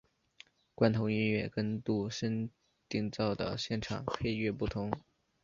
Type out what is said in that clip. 罐头音乐跟度身订造的现场配乐不同。